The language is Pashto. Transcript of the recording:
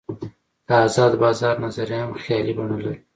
د آزاد بازار نظریه هم خیالي بڼه لري.